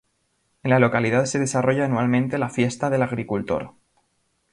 En la localidad se desarrolla anualmente la Fiesta del Agricultor.